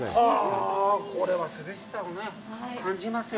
これは涼しさを感じますよ。